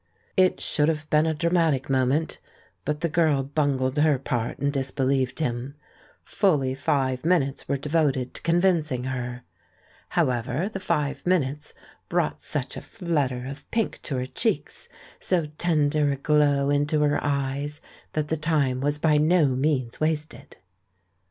It should have been a dramatic moment, but the girl bungled her part and disbelieved him. Fully five minutes were devoted to convincing her. However, the five minutes brought such a flutter of pink to her cheeks, so tender a glow into her eyes, that the time was by no means wasted.